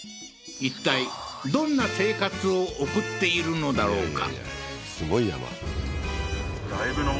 いったいどんな生活を送っているのだろうか？